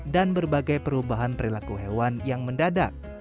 dan berbagai perubahan perilaku hewan yang mendadak